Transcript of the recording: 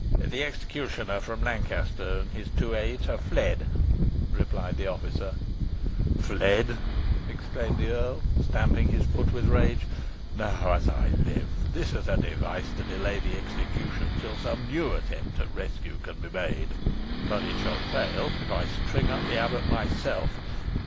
"The executioner from Lancaster and his two aids have fled," replied the officer. "Fled!" exclaimed the earl, stamping his foot with rage; "now as I live, this is a device to delay the execution till some new attempt at rescue can be made. But it shall fail, if I string up the abbot myself.